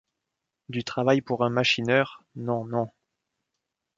Du travail pour un machineur, non, non…